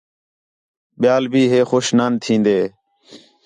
ٻِیال بھی ہے خوش نان تِھین٘دے